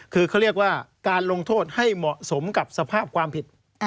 คือเขาเรียกว่าการลงโทษให้เหมาะสมกับสภาพความผิด